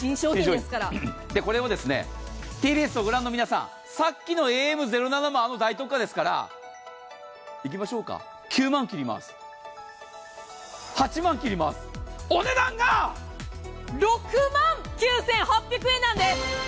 これをＴＢＳの御覧の皆さん、さっきのＡＭ０７も大特価ですからいきましょうか、９万切ります、８万切ります、お値段が６万９８００円なんです！